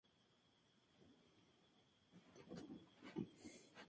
La Chapelle-Laurent